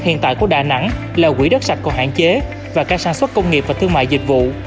hiện tại của đà nẵng là quỹ đất sạch còn hạn chế và các sản xuất công nghiệp và thương mại dịch vụ